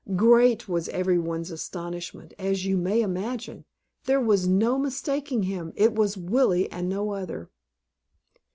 Great was everybody's astonishment, as you may imagine. There was no mistaking him, it was Willie, and no other.